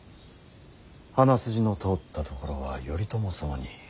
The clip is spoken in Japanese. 鼻筋の通ったところは頼朝様似。